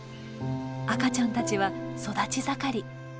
赤ちゃんたちは育ち盛り。